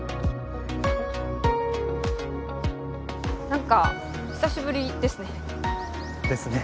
何か久しぶりですね。ですね。